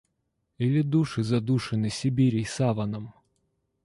Или души задушены Сибирей саваном?